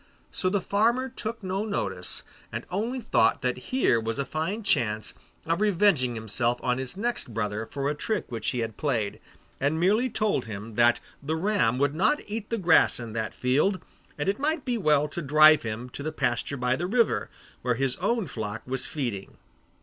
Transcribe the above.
So the farmer took no notice, and only thought that here was a fine chance of revenging himself on his next brother for a trick which he had played, and merely told him that the ram would not eat the grass in that field, and it might be well to drive him to the pasture by the river, where his own flock was feeding.